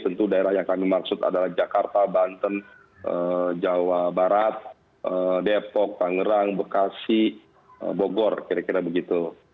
tentu daerah yang kami maksud adalah jakarta banten jawa barat depok tangerang bekasi bogor kira kira begitu